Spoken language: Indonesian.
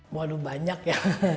waduh banyak ya